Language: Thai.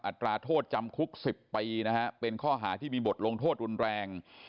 ตราโทษจำคุก๑๐ปีนะฮะเป็นข้อหาที่มีบทลงโทษรุนแรง